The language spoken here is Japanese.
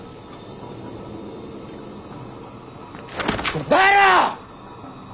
答えろ！